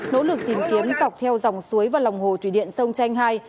nỗ lực tìm kiếm dọc theo dòng suối và lòng hồ thủy điện sông chanh hai